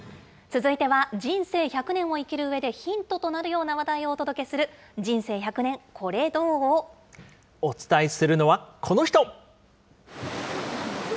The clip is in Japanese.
続いては、人生１００年を生きるうえでヒントとなるような話題をお届けする、お伝えするのはこの人。